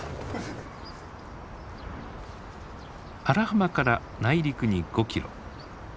荒浜から内陸に５キロ。